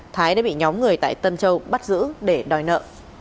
thái đã bị nhóm người tại tân châu bắt giữ để đòi nợ